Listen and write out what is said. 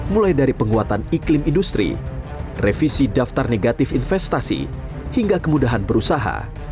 mulai dari penguatan iklim industri revisi daftar negatif investasi hingga kemudahan berusaha